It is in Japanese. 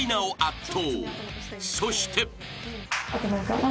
［そして］